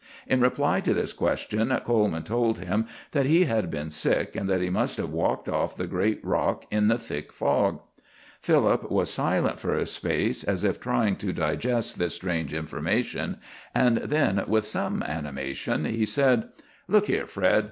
In reply to this question, Coleman told him that he had been sick, and that he must have walked off the great rock in the thick fog. Philip was silent for a space, as if trying to digest this strange information, and then with some animation he said: "Look here, Fred!